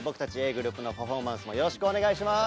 ｇｒｏｕｐのパフォーマンスもよろしくお願いします。